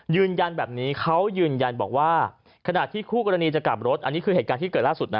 ยืนยันแบบนี้เขายืนยันบอกว่าขณะที่คู่กรณีจะกลับรถอันนี้คือเหตุการณ์ที่เกิดล่าสุดนะ